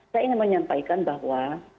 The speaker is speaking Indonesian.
saya ingin menyampaikan bahwa